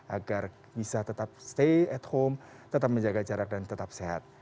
agar bisa tetap stay at home tetap menjaga jarak dan tetap sehat